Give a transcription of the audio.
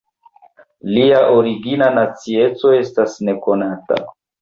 Lia origina nacieco estas nekonata.